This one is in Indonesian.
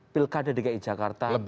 pilkada dki jakarta